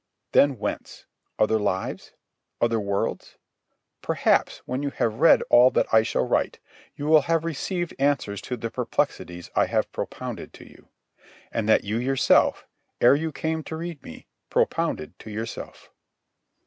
Then whence? Other lives? Other worlds? Perhaps, when you have read all that I shall write, you will have received answers to the perplexities I have propounded to you, and that you yourself, ere you came to read me, propounded to yourself.